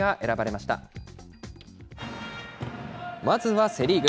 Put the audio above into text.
まずはセ・リーグ。